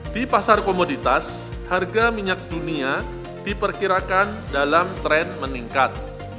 di pasar komoditas harga minyak dunia diperkirakan dalam tren meningkat